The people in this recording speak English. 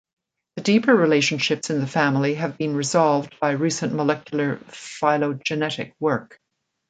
The deeper relationships in the family have been resolved by recent molecular phylogenetic work.